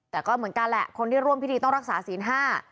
แต่ก็เหมือนกันแหละคนที่ร่วมพิธีต้องรักษาศีลห้า